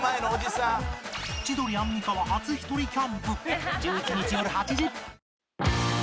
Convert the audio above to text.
千鳥アンミカは初ひとりキャンプ